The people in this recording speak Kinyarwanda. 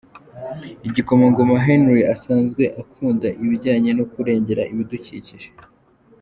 Igikomangoma Henry asanzwe akunda ibijyanye no kurengera ibidukikije.